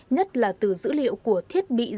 nhất là từ dữ liệu của thiết bị giám sát